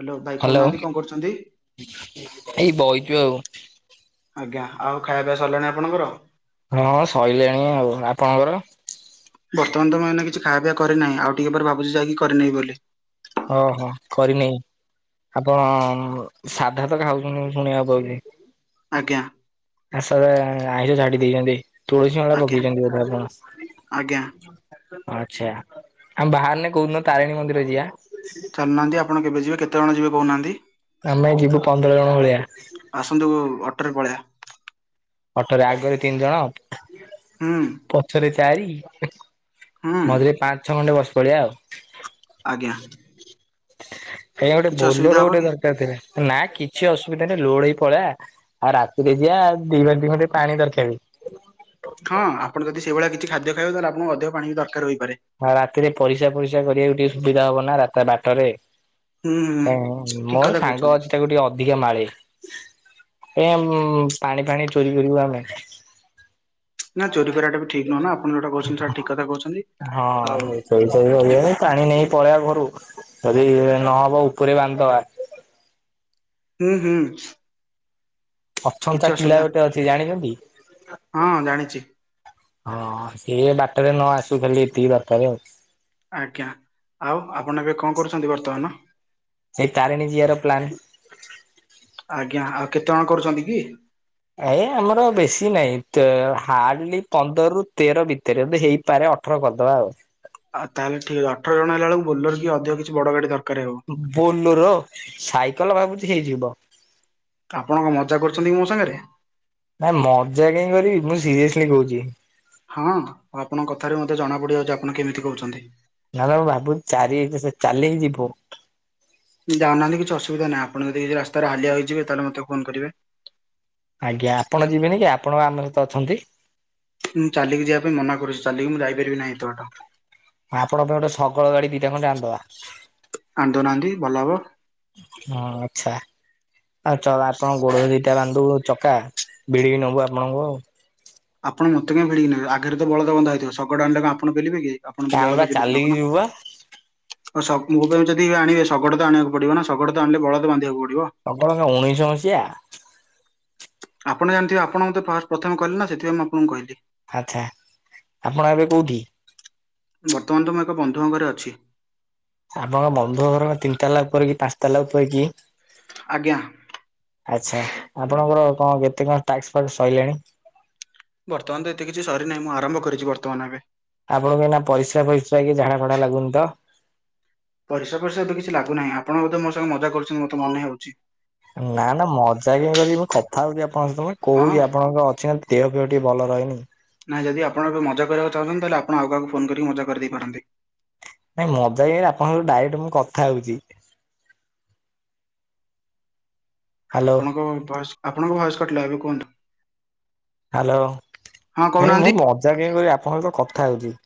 Hello ଭାଇ କହୁନାହାନ୍ତି। କ'ଣ କରୁଛନ୍ତି? ଏଇ ବହିଛୁ ଆଉ। ଆଜ୍ଞା ଆଉ ଖାଇବା ସରିଲାଣି ଆପଣଙ୍କର? ହଁ ସରିଲେଣି ଆଉ ଆପଣଙ୍କର? ବର୍ତ୍ତମାନ ତ ମୁଁ ଏ କିଛି ଖାଇବା ପିଇବା କରିନାହିଁ ଆଉ ଟିକେ ଏ ପରେ ଭାବୁଛି ଯାଇକି କରିନି ବୋଲି। ଓହୋ କରିନି। ଆପଣ ସାଧା ତ ଖାଉଛନ୍ତି ଶୁଣିବାକୁ ପାଉଛି। ଆଜ୍ଞା ଆ ସ ଆଇଁଷ ଛାଡି ଦେଇଛନ୍ତି ତୁଳସୀ ମଳା ଆଜ୍ଞା ପକେଇଛନ୍ତି। ବଧ ଆପଣ। ଆଜ୍ଞା ଆଚ୍ଛା ବାହାରିଲେ ଆମେ ତାରିଣୀ ମନ୍ଦିର ଯିବା। ଚାଲୁନାହାନ୍ତି ଆପଣ କେବେ ଯିବେ କେତେ ଜଣ ଯିବେ କହୁନାହାନ୍ତି। ଆମେ ଯିବୁ ପନ୍ଦର ଜଣ ଭଳିଆ। ଆସନ୍ତୁ ଅଟୋରେ ପଳେଇବା। ଅଟରେ ଆଗରେ ତିନି ଜଣ ହଁ ପଛରେ ଚାରି ହୁଁ ମଝିରେ ପାଞ୍ଚ ଛଅ ଖଣ୍ଡେ ବସି ପଡଆ ଆଉ। ଆଜ୍ଞା ଆଜ୍ଞା ଗୋଟେ କିଛି ଅସୁବିଧା ବୋଲର ହବ ଗୋଟେ କି? ଦରକାର ଥିଲା ନା କିଛି ଅସୁବିଧା ନାହିଁ ଲୋଡେଇ ପଳଆ। ଆଉ ରାତିରେ ଯିବା ଦି ବାଲ୍ଟି ଖଟେ ପାଣି ଦରକାର। ହଁ ଆପଣ ଯଦି ସେଇଭଳିଆ କିଛି ଖାଦ୍ୟ ଖାଇବେ ତାହେଲେ ଆପଣଙ୍କୁ ଅଧିକ ପାଣି ବି ଦରକାର ହୋଇପାରେ। ହ ରାତିରେ ପରିସା ପରିସା କରିବାକୁ ଟିକେ ସୁବିଧା ହବ ନା ରା ବାରଟାରେ। ହୁଁ ହୁଁ। ଠିକ ମୋର କଥା ସାଙ୍ଗ କହୁଛନ୍ତି ଅଛି ସେକୁ ଟିକେ ଅଧିକା ମାଳେ ଏ ପାଣି ଫାଣି ଚୋରି କରିବୁ ଆମେ। ନା ଚୋରି କରିବାଟା ବି ଠିକ ନୁହ ନା ଆପଣ ଯୋଉଟା କହୁଛନ୍ତି ସେଟା ଠିକ କଥା କହୁଛନ୍ତି। ଆଉ ହଁ ଚୋରି ଚୋରି ଏବେ କରିବାନି ପାଣି ନେଇ ପଳେଇବା ଘରୁ ଯଦି ନହବ ଉପରେ ବାନ୍ଧିଦବା। ହୁଁ ହୁଁ କିଛି ଅଛନ୍ତା କିଳା ଅସୁବିଧା ଗୋଟେ ଅଛି ଜାଣିଛନ୍ତି? ହଁ ଜାଣିଛି ହଁ ସି ବାଟରେ ନ ଆସୁ ଖାଲି ଏତିକି ଦରକାର ଆଉ। ଆଜ୍ଞା ଆଉ ଆପଣ ଏବେ କ'ଣ କରୁଛନ୍ତି ବର୍ତ୍ତମାନ? ସେଇ ତାରିଣୀ ଯିଆର ପ୍ଲାନ୍। ଆଜ୍ଞା ଆଉ କେତେ ଜଣ କରୁଛନ୍ତି କି? ଏ ଆମର ବେଶୀ ନହିଁ ହାର୍ଡଲି ପନ୍ଦର ରୁ ତେର ଭିତରେ ହେଇ ପାରେ ଅଠର କରିଦବା ଆଉ ଆଉ ତାହେଲେ ଠିକ୍ ଅଠର ଜଣ ହେଲାଳ କୁ ବୋଲର କି ଅଧିକ କିଛି ବଡ ଗାଡି ଦରକାର ହେବ। ବୋଲର ସାଇକେଲ ଭାବୁଛି ହେଇଯିବ। ଆପଣ କଣ ମଜା କରୁଛନ୍ତି କି ମୋ ସାଙ୍ଗରେ? ନା ମଜା କାହିଁ କରିବି ମୁଁ ସିରିଏସଲି କହୁଛି। ହଁ ଆପଣ କଥାରୁ ମତେ ଜଣା ପଡିଯାଉଛି ଆପଣ କେମିତି କହୁଛନ୍ତି। ନା [unintelligible] ଭାବୁ ଚାରି ସ ସ ଚାଲିିକି ଯିବୁ। ଯାଉନାହାନ୍ତି କିଛି ଅସୁବିଧା ନାଇ ଆପଣ ଯଦି କିଛି ରାସ୍ତାରେ ହାଲିଆ ହୋଇଯିବେ ତାହେଲେ ମତେ ଫୋନ୍ କରିବେ। ଆଜ୍ଞା ଆପଣ ଯିବେନି କି ଆପଣ [unintelligible] ଆମ ସହିତ ଅଛନ୍ତି? ମୁଁ ଚାଲିକି ଯିବା ପାଇଁ ମନା କରୁଛି ଚାଲିକି ମୁଁ ଯାଇପାରିବି ନାହିଁ ଏତେ ବାଟ। ଆପଣ ପାଇଁ ଗୋଟେ ଶଗଳ ଗାଡି ଦିଟା ଖଣ୍ଡେ ଆଣିଦବା। ଆଣି ଦଉନାହାନ୍ତି ଭଲ ହବ। ହଁ ଆଚ୍ଛା। [unintelligible] ଆପଣ ଗୋଡ ଦିଟା ବାନ୍ ଦବୁ ଚକା ଭିଡ଼ିକି ନବୁ ଆପଣଙ୍କୁ ଆଉ। ଆପଣ ମତେ କାଇଁ ଭିଡିକି ନେବେ ଆଗରେ ତ ବଳଦ ବନ୍ଧା ହେଇଥିବ ଶଗଡ଼ [unintelligible] ଆପଣ ପେଲିବେ କି? ଆପଣ ତ ଆମେ ବା ବଳଦ ବିଲିକି ଚାଲିକି ନବ ନା। ଯିବୁ ବା [unintelligible] ଯଦି ଆଣିବେ ଶଗଡ଼ ତ ଆଣିବାକୁ ପଡିବ ନା ଶଗଡ଼ ତ ଆଣିଲେ ବଳଦ ବାନ୍ଧିବାକୁ ପଡିବ। [unintelligible] କଣ ଉଣେଇଶ ମସିହା? ଆପଣ ଜାଣିଥିବେ ଆପଣ ମତେ ଫାସ ପ୍ରଥମେ କହିଲେ ନା ସେଥିପାଇଁ ମୁଁ ଆପଣଙ୍କୁ କହିଲି। ଆଛା ଆପଣ ଏବେ କୋଉଠି? ବର୍ତ୍ତମାନ ତ ମୁଁ ଏକ ବନ୍ଧୁଙ୍କ ଘରେ ଅଛି। ଆପଣ ବନ୍ଧୁଙ୍କ ଘର କ ତିନିଟା ଉପରେ କି ପାସ୍ତାଲା ଉପରେ କି? ଆଜ୍ଞା ଆଚ୍ଛା ଆପଣଙ୍କର କଣ [unintelligible] ସଇଲାନି। ବର୍ତ୍ତମାନ ତ ଏତେ କିଛି ସରିନାହିଁ ମୁଁ ଆରମ୍ଭ କରିଛି ବର୍ତ୍ତମାନ ଏବେ। ଆପଣଙ୍କୁ ଏଇନା ପରିସା ଫରିସ୍ରା କି ଝାଡା ଫାଡ଼ା ଲାଗୁନି ତ? ପରିସ୍ରା ଫରିସ୍ରା ତ କିଛି ଲାଗୁ ନାହିଁ ଆପଣ ବୋଧେ ମୋ ସହ ମଜା କରୁଛି ମତେ ମନେ ହଉଛି। ନା ନା ମଜା କାଇଁ କରିବି ମୁଁ କଥା ହଉଛି ଆପଣଙ୍କ ସହିତ ହଁ କହୁଛି ଆପଣଙ୍କର ଅଛି ଦେହ ଫେହ ଟିକେ ଭଲ ରହେନି ନାଇଁ ଯଦି ଆପଣକ ମଜା କରିବାକୁ ଚାହୁଁଛନ୍ତି ତାହେଲେ ଆଉ କାହାକୁ ଫୋନ କରି ମଜା କରିଦେଇ ପାରନ୍ତି। ନାଇଁ ମଜା [unintelligible] ଆପଣଙ୍କ ସହ ଡାଇରେଟ ମୁଁ କଥା ହଉଛି। ହ୍ୟାଲୋ ଆପଣଙ୍କ ଭଏସ ଆପଣଙ୍କ ଭଏସ କଟିଲା ଏବେ କୁହନ୍ତୁ ହ୍ୟାଲୋ ହଁ ଭାଇ ମୁଁ କହୁନାହାନ୍ତି ମଜା କାଇଁ କରିବି ଆପଣଙ୍କ ସହ କଥା ହଉଛି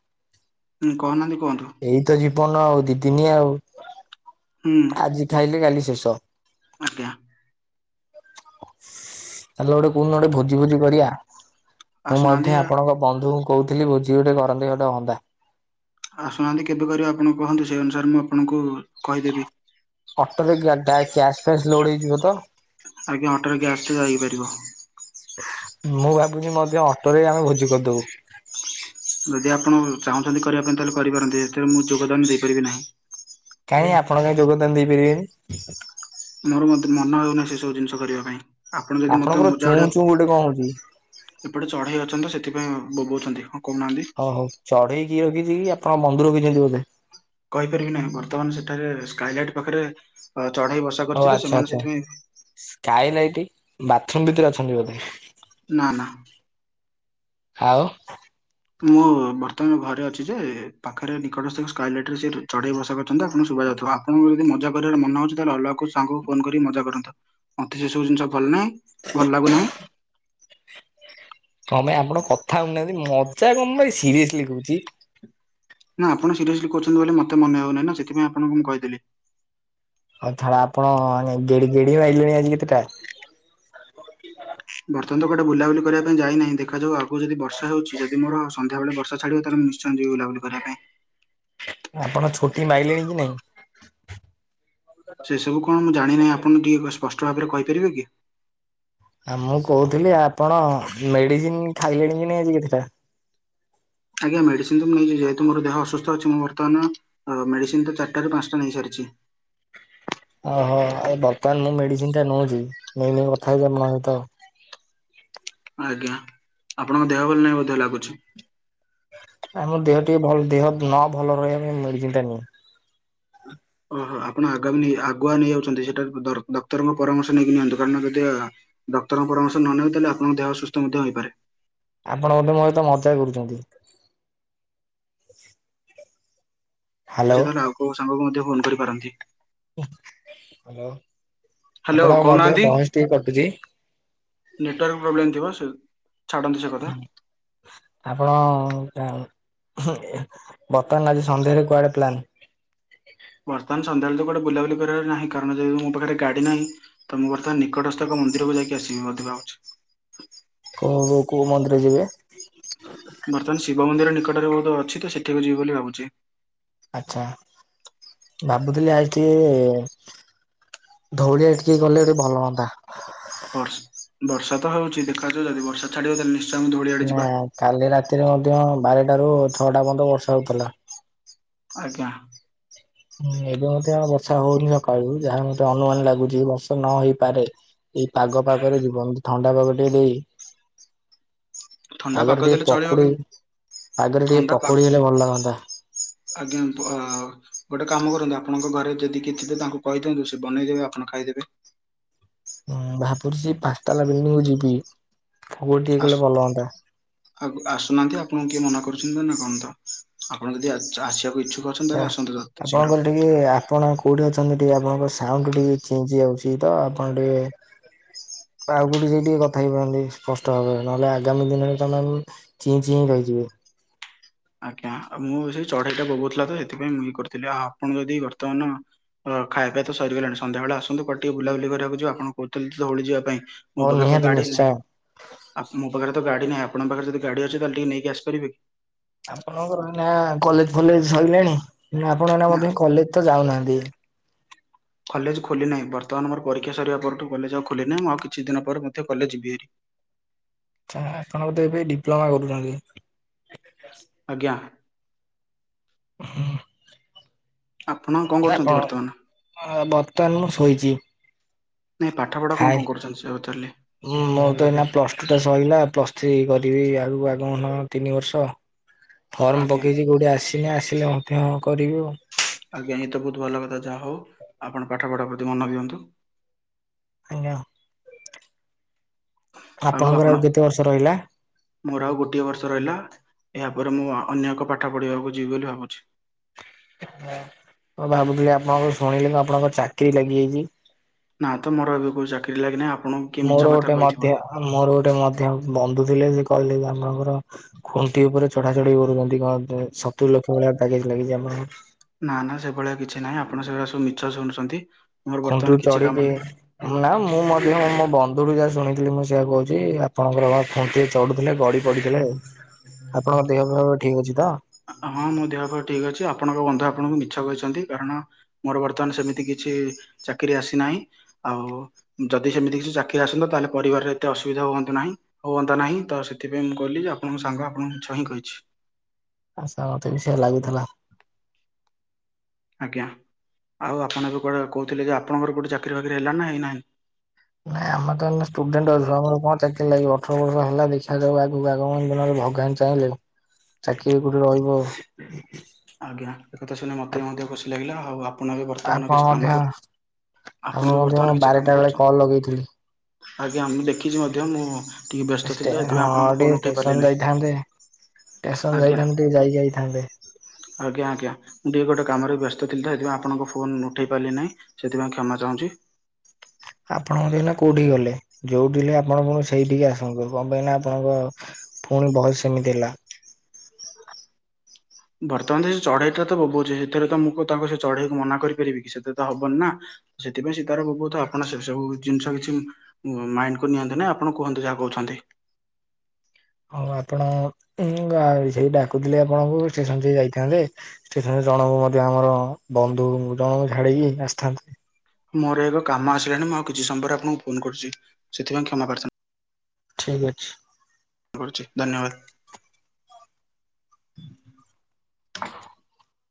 ହୁଁ କହୁନାହାନ୍ତି କୁହନ୍ତୁ। ଏଇ ତ ଜୀବନ ଆଉ ଦି ଦିନିଆ ଆଉ ହୁଁ ଆଜି ଥାଇଲେ କାଲି ଶେଷ। [unintelligible] [unintelligible] ଗୋଟେ କଉ ଦିନ ଭୋଜି ଫଜି କରିବା ମୁଁ ଆସୁନାହାନ୍ତି [unintelligible] ଆପଣଙ୍କ ବନ୍ଧୁଙ୍କୁ କହୁଥିଲି ଭୋଝି ଗୋଟେ କରନ୍ତି ଗୋଟେ ହନ୍ଦା। ଆସୁନାହାନ୍ତି କେବେ କରିବା ଆପଣ କହନ୍ତୁ ସେହି ଅନୁସାରେ ମୁଁ ଆପଣଙ୍କୁ କହିଦେବି। ଅଟୋ ରେ ଗ୍ୟା ଗ୍ୟା ଗ୍ୟାସ୍ ଫ୍ୟାସ୍ ଲୋଡ ହେଇଯିବ ତ? ଆଜ୍ଞା [unintelligible] ପାରିବ। ମୁଁ ଭାବୁନି ମଧ୍ୟ ଅଟୋରେ ଆମେ ଭୋଜି କରିଦବୁ। ଯଦି ଆପଣ ଚାହୁଁଛନ୍ତି କରିବା ପାଇଁ ତାହେଲେ କରିପାରନ୍ତି ଏଥିରେ ମୁଁ ଯୋଗଦାନ ଦେଇପାରିବି ନାହିଁ। କାଇଁ ଆପଣ କାଇଁ ଯୋଗଦାନ ଦେଇପାରିବେନି? ମୋର ମୋତେ ମନ ହେଉନାହିଁ ସେ ସବୁ ଜିନିଷ କରିବା ପାଇଁ ଆପଣ ଯଦି ମତେ ଆପଣଙ୍କର ମଜା ଚୁଁ ଆଡ଼େ ଚୁଁ ଗୋଟେ କଣ ହଉଛି? ଏପଟେ ଚଢେଇ ଅଛନ୍ତି ତ ସେଥିପାଇଁ ବୋବଉଛନ୍ତି ହଁ କଉନାହାନ୍ତି। ଓ ହୋ ଚଢ଼େଇ [unintelligible] ରଖିଛନ୍ତି ବୋଧେ। କହିପାରିବି ନାହିଁ ବର୍ତ୍ତମାନ ସେଠାରେ ସ୍କାଇଲାଇଟ ପାଖରେ ଚଢେଇ ବସ ହଉ ଆଚ୍ଛା ଆଚ୍ଛା ସ୍କାଇ ଲାଇଟ ବାଥରୁମ ଭିତରେ ଅଛନ୍ତି ବୋଧେ? ନା ନା। ଆଉ। ମୁଁ ବର୍ତ୍ତମାନ ଘରେ ଅଛି ଯେ ପାଖରେ ନିକଟସ୍ଥ ସ୍କାଏଲାଇଟ ରେ ସେ ଚଢେଇ ବସା କହିଛନ୍ତି। ତ ଆପଣ ଙ୍କୁ ଶୁବାଯାଉଥିବା, ଆପଣଙ୍କୁ ଯଦି ମଜା କରିବାର ମାନହଉଛି ଅଲଗା କଉ ସାଙ୍ଗଙ୍କୁ ଫୋନ କରି ମଜା କରନ୍ତୁ ମୋତେ ସେ ସବୁ ଜିନିଷ ଭଲ ନାହିଁ ଭଲ ଲାଗୁନାହିଁ କଣ ପାଇଁ ଆପଣ କଥା ହଉନାହାନ୍ତି ମଜା କଣ ପାଇଁ ସିରିଏସଲି କହୁଛି। ନା ଆପଣ ସିରିୟସଲି କରୁଛନ୍ତି ବୋଲି ମୋତେ ମନେହଉନି ନା ସେଥିପାଇଁ ଆପଙ୍କୁ ମୁଁ କହିଦେଲି। ଆଉ ଥଡା ଆପଣ ମାନେ ଗେଡି ଗେଡି ମଇଲେଣି ଆଜି କେତେଟା? ବର୍ତ୍ତମାନ ତ କୁଆଡ଼େ ବୁଲାବୁଲି କରିବା ପାଇଁ ଯାଇନାହିଁ। ଦେଖାଯାଉ ଆଗକୁ ଯଦି ବର୍ଷ ହେଉଛି ଯଦି ମୋର ସନ୍ଧ୍ୟାବେଳେ ବର୍ଷା ଛଡ଼ିବ ତାଲେ ମୁଁ ନିଶ ଛନ୍ତି ବୁଲାବୁଲି କରିବା ପାଇଁ ଆପଣ ଛୋଟି ମାଇଲେଣି କି ନାଇଁ? ସେ ସବୁ କଣ ମୁଁ ଜାଣି ନାହିଁ ଆପଣ ଟିକେ ସ୍ପଷ୍ଟ ଭାବରେ କହିପାରିବେ କି? ଆ ମୁଁ କହୁଥିଲି ଆପଣ ମେଡିସିନ ଖାଇଲେଣି କି ନେଇ ଆଜି କେତଟା? ଆଜ୍ଞା ମେଡିସିନ ମୁ ନେଇଯାଇଛି ଯେହେତୁ ମୋ୍ ଦେହ ଅସୁସ୍ଥ ଅଛି ମୁଁ ବର୍ତ୍ତମାନ ମେଡିସିନ ତ ଚାରିଟାରୁ ପାଞ୍ଚଟା ନେଇ ସାରିଛି। ଓହୋ ଆ ବର୍ତ୍ତମାନ ମୁଁ ମେଡିସିନ ଟା ନେଉଛି ନେଇ ନେଇ କଥା ହେଇ [unintelligible] ଆଜ୍ଞା ଆପଣଙ୍କ ଦେହ ଭଲ ନାହିଁ ବବୋଧେ ଲାଗୁଛି? ନାଇ ମୋ ଦେହ ଟିକେ ଭଲ ଦେହ ନ ଭଲ ରହିବା ପାଇଁ ମେଡିସିନ ଟା ନିଏ। ଓହୋ ଆପଣ ଆଗମୀ ଆଗୁଆ ନେଇ ଯାଉଛନ୍ତି। ସେଇଟା ଡକ୍ଟ ଡକ୍ଟରଙ୍କ ପରାମର୍ଶ ନେଇକି ନିଅନ୍ତୁ କାରଣ ଯଦି ଡକ୍ଟରଙ୍କ ପରାମର୍ଶ ନ ନେବେ ଆପଣଙ୍କ ଦେହ ସୁସ୍ଥ ମଧ୍ୟ ହୋଇପାରେ। ଆପଣ ବୋଧେ ମୋ ସହିତ ମଜା କରୁଛନ୍ତି। ସେ ହ୍ୟାଲୋ। ତାହାଲେ ଆଉ କଉ ସାଙ୍ଗକୁ ମଧ୍ୟ ଫୋନ୍ କରିପାରନ୍ତି। ହ୍ୟାଲୋ ହ୍ୟାଲୋ ଆପଣଙ୍କ ମଧ୍ୟ କହୁନାହାନ୍ତି ଭଏସ ଟିକେ କଟୁଛି। ନେଟୱାର୍କ ପ୍ରୋବ୍ଲେମ୍ ଥିବ ସେ ଛାଡ଼ନ୍ତୁ ସେ କଥା ଆପଣ ବର୍ତ୍ତମାନ ଆଜି ସନ୍ଧ୍ୟାରେ କୁଆଡେ ପ୍ଲାନ୍ ବର୍ତ୍ତମାନ ସନ୍ଧ୍ୟା ବେଳେ ତ ବୁଲାବୁଲି କରିବାର ନାହିଁ କାରଣ ଯେହେତୁ ମୋ ପାଖରେ ଗାଡ଼ି ନାହିଁ। ତ ମୁଁ ବର୍ତ୍ତମାନ ନିକଟସ୍ଥ ଏକ ମନ୍ଦିରକୁ ଯାଇକି ଆସିବି ବୋଲି ଭାବୁଛି କଉ କଉ ମନ୍ଦିର ଯିବେ? ବର୍ତ୍ତମାନ ଶିବ ମନ୍ଦିର ନିକଟରେ ବହୁତ ଅଛି ତ ସେଠିକୁ ଯିବି ବୋଲି ଭାବୁଛି। ଆଛା ଭାବୁଥିଲି ଆଜି ଟିକେ ଧଉଳି ଆଡ଼େ ଟିକି ଗଲେ ଭଲ ହୁଅନ୍ତା। ବର୍ଷ ବର୍ଷା ତ ହଉଛି ଦେଖାଯାଉ ଯଦି ବର୍ଷା ଛାଡିବ ତାଲେ ନି ନା କାଲି ରାତିରେ ମଧ୍ୟ ବାରଟ ରୁ ଛଅଟା ପର୍ଯ୍ୟନ୍ତ ବର୍ଷା ହଉଥିଲା। ଆଜ୍ଞା। ହୁଁ ଏବେ ମଧ୍ୟ ଆ ବର୍ଷା ହଉନି ସକାଳୁ ଯାହା ମୋତେ ଅନୁମାନ ଲାଗୁଛି ବର୍ଷ ନ ହେଇପାରେ। ଏଇ ପାଗ ପାଗରେ ଯିବ ଥଣ୍ଡା ପାଗ ଟିକେ ଦେଇ ଥଣ୍ଡା ପାଗରେ ପାଗ ଟିକେ ଦେଲେ ଚଳିବ ପକୁଡି ପାଗରେ କିନ୍ତ ଟିକେ ଥଣ୍ଡା ପା ପକୁଡି ହେଲେ ଭଲ ଲାଗନ୍ତା। ଆଜ୍ଞା ଅ ଗୋଟେ କାମ କରନ୍ତୁ ଆପଣଙ୍କ ଘରେ ଯଦି କିଏ ଥିବେ ତାଙ୍କୁ କହିଦିଅନ୍ତୁ ସେ ବନେଇଦେବେ ଆପଣ ଖାଇଦେବେ ହୁଁ ଭାବୁଛି ପାଞ୍ଚଟାଲା ବିଲିଡିଙ୍ଗ କୁ ଯିବି ଭୋଗ ଟିକେ କଲେ ଭଲ ହୁଅନ୍ତା। ଆଉ ଆସୁନାହାନ୍ତି ଆପଣଙ୍କୁ କିଏ ମନା କରୁଛନ୍ତି ନା ନା କଣ ତ ଆପଣ ଯଦି ଆସିବାକୁ ଇଚ୍ଛୁକ ଅଛନ୍ତି ଛେ ତାହେଲେ ଆସନ୍ତୁ ଯଥା ଆପଣଙ୍କ ଶୀଘ୍ର। ଘ ଠିକ୍ ଟିକେ ଆପଣ କୋଉଠି ଅଛନ୍ତି ଟିକେ ଆପଣଙ୍କ ସାଉଣ୍ଡୁ ଟିକେ ଚି ଚି ଆଉଛି ତ ଆପଣ ଟିକେ ଆଉ କୁଠି କୁ ଯାଇ ଟିକେ କଥା ହେଇପାରନ୍ତି ସ୍ପଷ୍ଟ ଭାବରେ ନହେଲେ ଆଗାମୀ ଦିନରେ ତମେ ଚି ଚି ରହିଯିବେ। ଆଜ୍ଞା ମୁଁ ସେ ଚଢେଇଟା ବୋବଉଥିଲା ତ ସେଥିପାଇଁ ମୁଁ ଇଏ କରିଥିଲି ଆଉ ଆପଣ ଯଦି ବର୍ତ୍ତମାନ ଅଁ ଖାଇବା ପିଇବା ତ ସରିଗଲାଣି। ସନ୍ଧ୍ୟାବେଳେ ଆସନ୍ତୁ କୁଆଡ଼େ ଟିକେ ବୁଲାବୁଲି କରିବାକୁଯିବା। ଆପଣ କହୁଥିଲେ ତ ଧଉଳି ଯିବା ପାଇଁ ମୋ ହଉ ପାଖରେ ତ ନିହାତି ଗାଡି ନାହିଁ ନିଶ୍ଚୟ ଆପ୍ ମୋ ପାଖରେ ତ ଗାଡି ନାହିଁ ଆପଣଙ୍କ ପାଖରେ ଯଦି ଗାଡି ଅଛି ତାହେଲେ ଟିକେ ନେଇକି ଆସିପାରିବେ କି? ଆପଣଙ୍କର ଏହିନି ଆ କଲେଜ ଫଲେଜ ସରିଲାଣି ଆପଣ ନା ମଧ୍ୟ କଲେଜ ତ ଯାଉନାହାନ୍ତି। କଲେଜ ଖୋଲି ନାହିଁ ବର୍ତ୍ତମାନ ମୋର ପରୀକ୍ଷା ସରିବା ପରଠୁ କଲେଜ ଆଉ ଖୋଲି ନାହି। ମୁଁ ଆଉ କିଛି ଦିନ ପରେ ମଧ୍ୟ କଲେଜ ଯିବି ହେରୀ। ଚା ଆପଣ ବୋଧେ ଏବେ ଡିପ୍ଲୋମା କରୁଛନ୍ତି? ଆଜ୍ଞା। [inaudible] ଆପଣ ନା କରୁଛନ୍ତି କଣ ବର୍ତ୍ତମାନ? ବର୍ତ୍ତମାନ ମୁଁ ଶୋଇଛି। ନାଇଁ ପାଠ ପଢା କଣ କଣ କରୁଛନ୍ତି ସେଇଆ ପଚାରିଲି। ହଁ ମୁଁ ତ ଏଇନା ପ୍ଲସ ଟୁ ଟା ସରିଲା ପ୍ଲସ ଥ୍ରୀ କରିବି ଆଗକୁ ଆଗମନ ତିନି ବର୍ଷ। ଫର୍ମ ଆଜ୍ଞା ପକେଇଛିି କଉଠି ଆସିନି ଆସିଲେ ମଧ୍ୟ କରିବି ଆଉ। ଆଜ୍ଞା ଏଇଏ ତ ବହୁତ ଭଲ କଥା ଯାହା ହଉ ଆପଣ ପାଠ ପଢା ପ୍ରତି ମନ ଦିଅନ୍ତୁ [unintelligible] ଆପଣଙ୍କର ଆଉ କେତେ ବର୍ଷ ରହିଲା? ମୋର ଆଉ ଗୋଟିଏ ବର୍ଷ ରହିଲା। ଏହା ପରେ ମୁଁ ଅନ୍ୟ ଏକ ପାଠ ପଢିବାକୁ ଯିବି ବୋଲି ଭାବୁଚି। ମୁଁ ଭାବୁଥିଲି ଆପଣଙ୍କ ଶୁଣିଲି ମୁଁ ଆପଣଙ୍କ ଚାକିରି ଲାଗିଯାଇଚି। ନା ତ ମୋର ଏବେ କେଉଁ ଚାକିରି ଲାଗିନାହିଁ। ଆପଣ ମୋର ଗୋଟେ ମଧ୍ୟ ମୋର ଗୋଟେ ମଧ୍ୟ ବନ୍ଧୁ ଥିଲେ ସେ କହିଲେ ଯେ ଆପଣଙ୍କର ଖୁଣ୍ଟି ଉପରେ ଚଢା ଚଢ଼ି କରୁଛନ୍ତି କଣ ସତୁରି ଲକ୍ଷ ଭଳିଆ ପ୍ୟାକେଜ ଲାଗିଚି ଆପଣଙ୍କର। ନା ନା ସେଭଳିଆ କିଛି ନାହିଁ ଆପଣ ସେଗୁଡ଼ା ସବୁ ମିଛ ଶୁଣୁଛନ୍ତି। ମୋର ବର୍ତ୍ତମାନ ଖୁଣ୍ଟିରୁ କିଛି କାମ ଚଢିକି ନାହିଁ। ନା ମୁଁ ମଧ୍ୟ ମୋ ବନ୍ଧୁ ରୁ ଯାହା ଶୁଣିଥିଲି ମୁଁ ସେଇଆ କହୁଚି। ଆପଣଙ୍କର ଖୁଣ୍ଟି ଚଢୁଥିଲେ ଗଡି ପଡିଥିଲେ। ଆପଣଙ୍କ ଦେହ ଫ ଠିକ୍ ଅଛି ତ? ହଁ ମୋ ଦେହ ପା ଠିକ ଅଛି ଆପଣଙ୍କ ବନ୍ଧୁ ଆପଣଙ୍କୁ ମିଛ କହିଛନ୍ତି। କାରଣ ମୋର ବର୍ତ୍ତମାନ ସେମିତି କିଛି ଚାକିରି ଆସିନାହିଁ। ଆଉ ଯଦି ସେମିତି କିଛି ଚାକିରି ଆସନ୍ତା ତାହେଲେ ପରିବାରରେ ଏତେ ଅସୁବିଧା ହୁଅନ୍ତୁ ନାହିଁ। ହୁଅନ୍ତା ନାହିଁ। ତ ସେଥିପାଇଁ ମୁଁ କହିଲି ଯେ ଆପଣଙ୍କ ସାଙ୍ଗ ଆପଣଙ୍କୁ ମିଛ ହିଁ କହିଚି। ଆଚ୍ଛା ମତେ ବି ସେୟା ଲାଗୁଥିଲା। ଆଜ୍ଞା। ଆଉ ଆପଣ ଏ କୁଆଡେ କହୁଥିଲେ ଯେ ଆପଣଙ୍କର କୋଉଠି ଚାକିରି ଫାକିରି ହେଲା ନା ହେଇନାହିଁ? ନାଇଁ ଆମେ ତ ଷ୍ଟୁଡେଣ୍ଟ ଅଛୁ ଆମର କଣ ଚାକିରି ଲାଗିବ। ଅଠର ବର୍ଷ ହେଲା ଦେଖାଯାଉ ଆଗକୁ ଆଗାମି ଦିନରେ ଭଗବା ଚାହିଁଲେ ଚାକିରି କୋଉଠି ରହିବ ଆଉ। ଆଜ୍ଞା। ଏ କଥା ଶୁଣି ମତେ ମଧ୍ୟ ଖୁସି ଲାଗିଲା। ଆଉ ଆପଣ ଏବେ ବର୍ତ୍ତମାନ ଆପଣ କିଛି କାମ ମଧ୍ୟ କରୁ ଆପଣ ହବ ଏବେ ମଧ୍ୟ ବର୍ତ୍ତମାନ ମୁଁ କିଛି କାମ ବାରଟା ବେଳେ କରୁଛନ୍ତି? କଲ୍ ଲଗେଇଥିଲି। ଆଜ୍ଞା ମୁଁ ଦେଖିଚି ମଧ୍ୟ ମୁଁ ଟିକେ ବ୍ୟସ୍ତ ଥିଲି ଷ୍ଟେ ତ ସେଥିପାଇଁ ହଁ ଆପଣଙ୍କ ଫୋନ୍ ଟିକେ ଉଠେଇ ପାରିଲି ଷ୍ଟେସନ ନାହିଁ। ଯାଇଥାନ୍ତେ। ଷ୍ଟେସନ ଆଜ୍ଞା ଯାଇଥାନ୍ତ ଟିକେ ଯାଇକି ଆଇଥାନ୍ତେ। ଆଜ୍ଞା ଆଜ୍ଞା। ମୁଁ ଟିକେ ଗୋଟେ କାମରେ ବ୍ୟସ୍ତ ଥିଲି ତ ସେଥିପାଇଁ ଆପଣଙ୍କ ଫୋନ୍ ଉଠେଇ ପାରିଲି ନାହିଁ। ସେଥିପାଇଁ କ୍ଷମା ଚାହୁଁଚି। ଆପଣଙ୍କ [unintelligible] କୋଉଠିକି ଗଲେ? ଯୋଉଠି ଥିଲେ ଆପଣ ପୁଣି ସେଇଠିକି ଆସନ୍ତୁ କଣ ପାଇଁ ନା ଆପଣଙ୍କ ପୁଣି ଭଏସ ସେମିତି ହେଲା। ବର୍ତ୍ତମାନ ସେ ଚଢେଇ ଟା ତ ବୋବୋଉଚି ସେଥିରେ ତ ମୁଁ ତାଙ୍କ ସେ ଚଢେଇକୁ ମନା କରିପାରିବ କି ସେଥିରେ ତ ହବନି ନା। ସେଥିପାଇଁ ସେ ତାର ବୋବୋଉ ଥାଉ। ଆପଣ ସେ ସବୁ ଜିନିଷ କିଛି ମାଇଣ୍ଡ କୁ ନିଅନ୍ତୁନି। ଆପଣ କୁହନ୍ତୁ ଯାହା କହୁଛନ୍ତି। ହଉ ଆପଣ ସେଇ ଡାକୁଥିଲେ ଆପଣଙ୍କୁ ଷ୍ଟେସନ ଟିକେ ଯାଇଥାନ୍ତେ। ଷ୍ଟେସନ୍ ରେ ଜଣଙ୍କୁ ମଧ୍ୟ ଆମର ବନ୍ଧୁ ଜଣଙ୍କୁ ଝାଡିକି ଆସିଥାନ୍ତେ। ମୋର ଏକ କାମ ଆସିଲାଣି ମୁଁ ଆଉ କିଛି ସମୟ ପରେ ଆପଣଙ୍କୁ ଫୋନ କରୁଚି। ସେଥିପାଇଁ କ୍ଷମା ପ୍ରାର୍ଥନା ଠିକ୍ ଅଛି। କରୁଚି ଧନ୍ୟବାଦ। [inaudible]